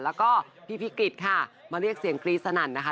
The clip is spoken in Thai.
แล้วก็พี่พิกฤษค่ะมาเรียกเสียงกรี๊ดสนั่นนะคะ